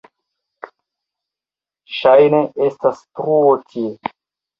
Ŝajne estas truo tie.